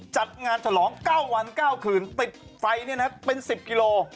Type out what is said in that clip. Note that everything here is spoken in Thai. จัดงานฉลอง๙วัน๙คืนติดไฟเนี่ยนะครับเป็น๑๐กิโล